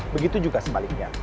begitu juga sebaliknya